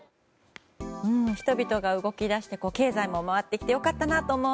人々が動き出して経済も回ってきて良かったなと思う